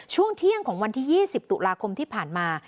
ช่วงเที่ยงของวันที่๒๐ตุลาคมที่ผ่านมา